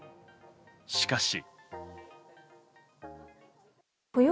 しかし。